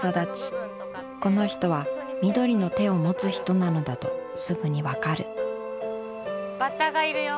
この人は緑の手を持つ人なのだとすぐにわかるバッタがいるよ